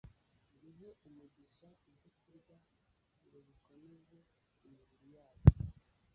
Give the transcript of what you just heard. ngo ihe umugisha ibyokurya ngo bikomeze imibiri yanyu